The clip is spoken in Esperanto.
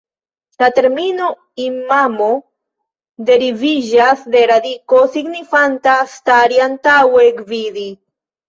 La termino "imamo" deriviĝas de radiko signifanta "stari antaŭe, gvidi".